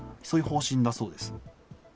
そういう方針だそうです。